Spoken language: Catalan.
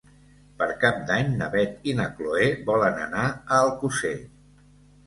Per Cap d'Any na Beth i na Chloé volen anar a Alcosser.